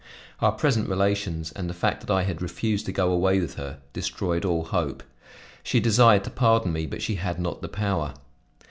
Our present relations, and the fact that I had refused to go away with her, destroyed all hope; she desired to pardon me but she had not the power.